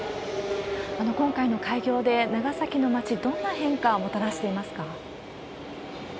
今回の開業で、長崎の町、どんな変化、もたらしていますか？